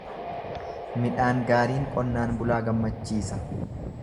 Midhaan gaariin qonnaan bulaa gammachiisa.